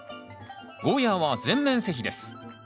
ゴーヤーは全面施肥です。